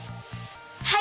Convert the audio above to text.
はい！